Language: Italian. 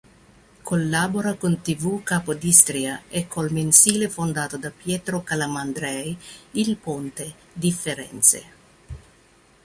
Collabora con Tv-Capodistria e col mensile fondato da Pietro Calamandrei, "Il Ponte", di Firenze.